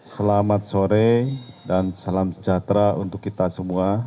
selamat sore dan salam sejahtera untuk kita semua